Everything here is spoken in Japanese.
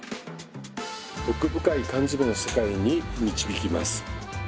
奥深い缶詰の世界に導きます！